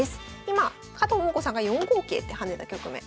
今加藤桃子さんが４五桂って跳ねた局面。